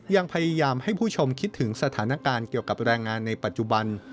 ยังพยายามให้ผู้ชมคิดถึงสถานการณ์เกี่ยวกับแรงงานในปัจจุบัน